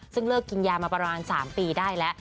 ซึ่งเลิกกินยามาประมาณ๓ปีได้แล้ว